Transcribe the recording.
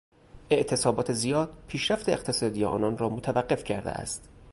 اعتصابات زیاد پیشرفت اقتصادی آنان را متوقف کرده است.